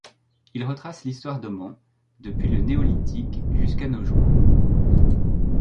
Il retrace l'histoire d'Oman depuis le Néolithique jusqu'à nos jours.